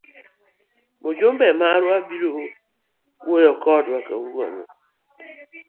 Mjumbe marwa biro wuoyo kodwa kawuono.